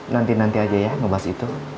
nanti nanti aja ya ngebahas itu